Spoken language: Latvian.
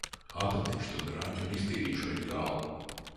Atradīšu to draņķi un iztīrīšu viņa galvu!